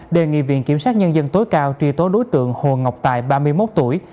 đề nghị viện kiểm sát nhân dân tối cao truy tố đối tượng hồ ngọc tài ba mươi một tuổi